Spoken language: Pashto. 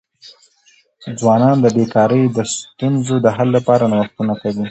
ځوانان د بېکاری د ستونزو د حل لپاره نوښتونه کوي.